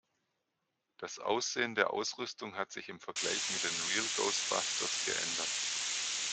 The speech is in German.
Das Aussehen der Ausrüstung hat sich im Vergleich mit den "Real Ghostbusters" geändert.